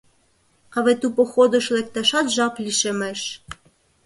А вет у походыщ лекташат жап лишемеш.